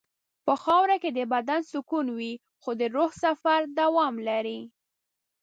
په خاوره کې د بدن سکون وي خو د روح سفر دوام لري.